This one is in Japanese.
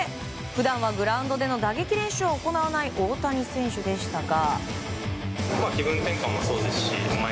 普段はグラウンドでの打撃練習を行わない大谷選手でしたが。